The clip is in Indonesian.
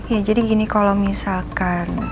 ya jadi gini kalau misalkan